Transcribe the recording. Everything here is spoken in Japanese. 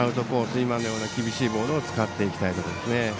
今のような厳しいボールを使っていきたいところですね。